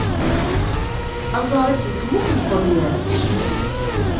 Aẓar-is n tmurt n Ṭelyan.